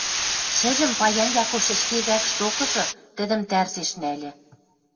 Шӹжӹм паян Якуш ӹшке вӓкш докыжы тӹдӹм тӓрзеш нӓльӹ.